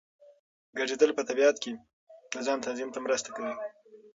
ګرځېدل په طبیعت کې د ځان تنظیم ته مرسته کوي.